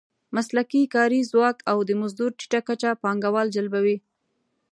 مسلکي کاري ځواک او د مزدور ټیټه کچه پانګوال جلبوي.